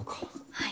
はい。